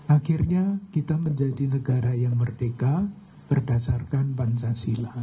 akhirnya kita menjadi negara yang merdeka berdasarkan pancasila